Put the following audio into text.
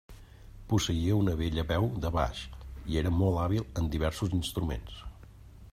Posseïa una bella veu de baix i era molt hàbil en diversos instruments.